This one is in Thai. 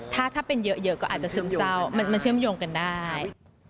ถ้าเป็นเยอะก็อาจจะซึมเศร้ามันเชื่อมโยงกันได้